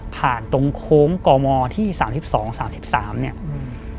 ตรงโค้งกมที่สามสิบสองสามสิบสามเนี้ยอืม